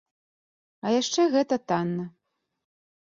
А яшчэ гэта танна.